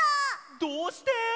どうして！？